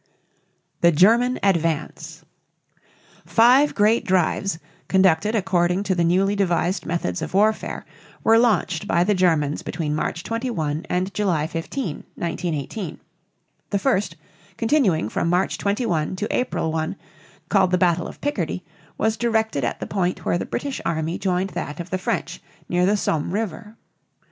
THE GERMAN ADVANCE. Five great drives, conducted according to the newly devised methods of warfare, were launched by the Germans between March 21 and July 15, 1918. The first, continuing from March 21 to April 1, called the battle of Picardy, was directed at the point where the British army joined that of the French near the Somme River.